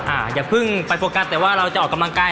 อย่าเพิ่งไปโฟกัสแต่ว่าเราจะออกกำลังกาย